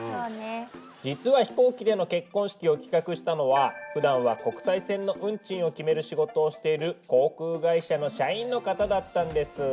実は飛行機での結婚式を企画したのはふだんは国際線の運賃を決める仕事をしている航空会社の社員の方だったんです。